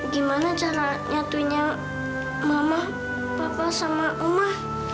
gimana caranya atuinya mama papa sama oma